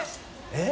えっ？